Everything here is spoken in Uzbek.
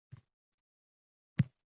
yoki umuman o’qimasa ham bo’laveradi